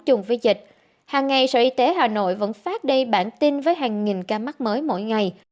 hàng ngày sở y tế hà nội vẫn phát đầy bản tin với hàng nghìn ca mắc mới mỗi ngày